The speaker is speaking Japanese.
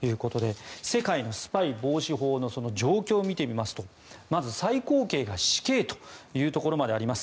世界のスパイ防止法の状況を見てみますとまず最高刑が死刑というところまであります。